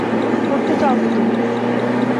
করতে চাও কী তুমি?